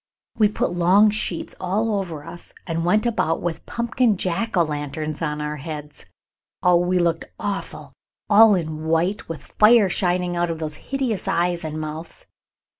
We put long sheets all over us and went about with pumpkin jack o' lanterns on our heads. Oh, we looked awful, all in white, with fire shining out of those hideous eyes and mouths.